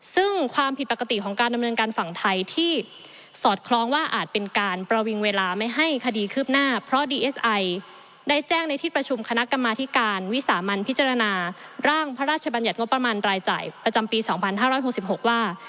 ซึ่งความผิดปกติของการดำเนินการฝั่งไทยที่สอดคล้องว่าอาจเป็นการประวิงเวลาไม่ให้คดีคืบหน้าเพราะดีเอสไอได้แจ้งในที่ประชุมคณะกรรมาธิการวิสามันพิจารณาร่างพระราชบัญญัติงบประมาณรายจ่ายประจำปี๒๕๖๖ว่า